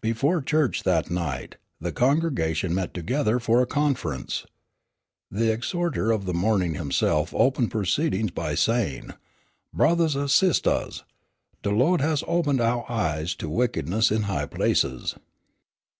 Before church that night, the congregation met together for conference. The exhorter of the morning himself opened proceedings by saying, "Brothahs an' sistahs, de Lawd has opened ouah eyes to wickedness in high places."